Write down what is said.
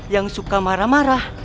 yang suka marah marah